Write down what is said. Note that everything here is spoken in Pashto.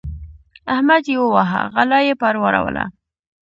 احمد يې وواهه؛ غلا يې پر واړوله.